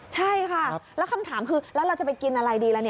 ใช่ค่ะแล้วคำถามคือแล้วเราจะไปกินอะไรดีล่ะ